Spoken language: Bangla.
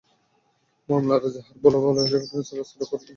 মামলার এজাহারে বলা হয়েছে, ঘটনাস্থল রাস্তার ওপর, সেখানে যানজটের সৃষ্টি হয়।